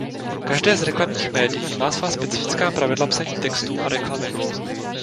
Každé z reklamních médií má svá specifická pravidla psaní textů a reklamy.